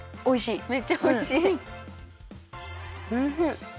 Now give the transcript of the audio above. おいしい！